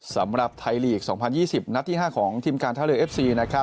สำหรับไทยลีก๒๐๒๐นัดที่๕ของทีมการท่าเรือเอฟซี